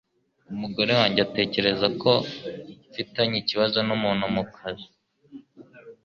Umugore wanjye atekereza ko mfitanye ikibazo numuntu mukazi